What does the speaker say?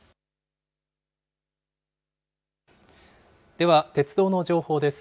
では、鉄道の情報です。